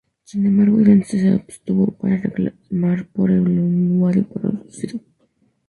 Sin embargo, Irán se abstuvo de reclamar por el uranio producido.